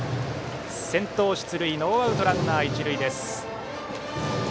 先頭出塁ノーアウトランナー、一塁です。